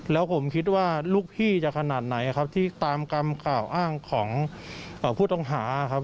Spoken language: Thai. แล้วผมคิดว่าลูกพี่จะขนาดไหนครับที่ตามกรรมกล่าวอ้างของผู้ต้องหาครับ